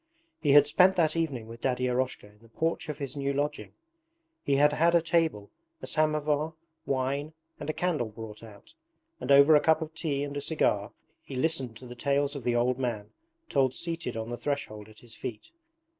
He had spent that evening with Daddy Eroshka in the porch of his new lodging. He had had a table, a samovar, wine, and a candle brought out, and over a cup of tea and a cigar he listened to the tales the old man told seated on the threshold at his feet.